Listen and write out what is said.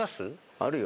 あるよ。